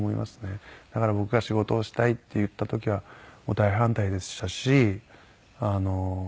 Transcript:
だから僕が仕事をしたいって言った時は大反対でしたし。